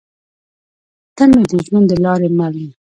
تۀ مې د ژوند د لارې مل يې